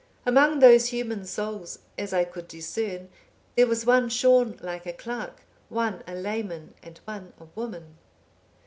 Among those human souls, as I could discern, there was one shorn like a clerk, one a layman, and one a woman.